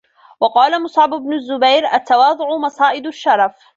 وَقَالَ مُصْعَبُ بْنُ الزُّبَيْرِ التَّوَاضُعُ مَصَائِدُ الشَّرَفِ